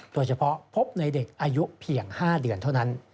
โดยเฉพาะพบในเด็กอายุเพียง๕เดือนเท่านั้น